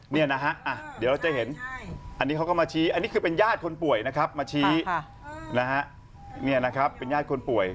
นี่นะฮะเดี๋ยวเราจะเห็นอันนี้เขาก็มาชี้อันนี้คือเป็นญาติคนป่วยนะครับมาชี้นะฮะนี่นะครับเป็นญาติคนป่วย